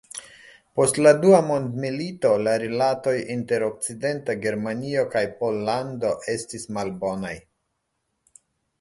Post la dua mondmilito la rilatoj inter Okcidenta Germanio kaj Pollando estis malbonaj.